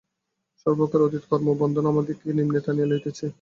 সর্বপ্রকার অতীত কর্ম ও বন্ধন আমাদিগকে নিম্নে টানিয়া লইতেছে।